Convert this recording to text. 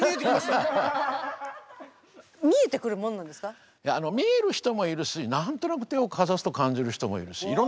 いやあの見える人もいるし何となく手をかざすと感じる人もいるしいろんな感じ方があります。